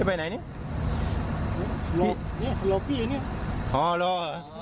อ๋อรอเติมโรค